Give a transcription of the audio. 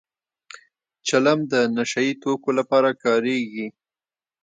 چلم د نشه يي توکو لپاره کارېږي